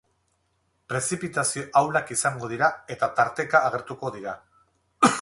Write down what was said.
Prezipitazio ahulak izango dira, eta tarteka agertuko dira.